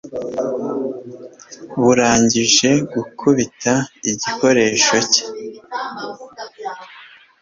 burangije gukubita igikoresho cye